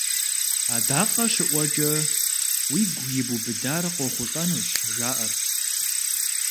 Адакъэ щыӀуэкӀэ уигу ибубыдар къохъулӀэнущ, жаӀэрт.